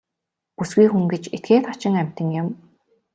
Бүсгүй хүн гэж этгээд хачин амьтан юм.